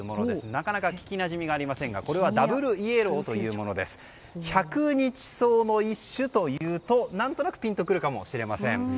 なかなか聞きなじみがありませんがこれはダブルイエローでヒャクニチソウの一種というと何となくピンとくるかもしれません。